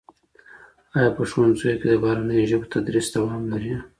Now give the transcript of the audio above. آیا په ښوونځیو کي د بهرنیو ژبو تدریس دوام لري؟